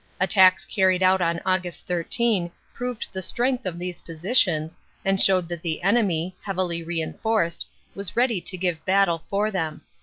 Attacks carried out on Aug. 13 proved the strength of these positions, and showed that the enemy, heavily reinforced, was ready to give battle for them.